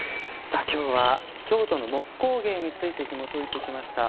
きょうは「京都の木工芸」についてひもといてきました。